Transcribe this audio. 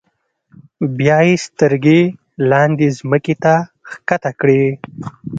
بیا یې سترګې لاندې ځمکې ته ښکته کړې.